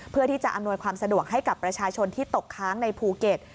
ที่จะอำนวยความสะดวกให้กับประชาชนที่ตกค้างในภูเก็ต